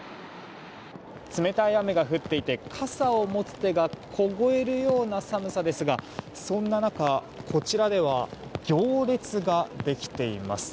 冷たい雨が降っていて傘を持つ手が凍えるような寒さですがそんな中、こちらでは行列ができています。